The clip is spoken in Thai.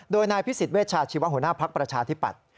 โดยนายพิสิทธเวชาชีวะหัวหน้าภักดิ์ประชาธิปัตย์